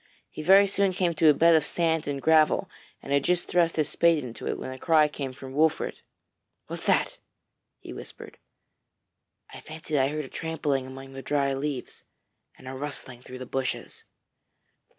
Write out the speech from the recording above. He very soon came to a bed of sand and gravel, and had just thrust his spade into it, when a cry came from Wolfert. 'What is that?' he whispered. 'I fancied I heard a trampling among the dry leaves and a rustling through the bushes.'